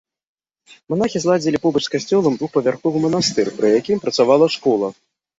Манахі зладзілі побач з касцёлам двухпавярховы манастыр, пры якім працавала школа.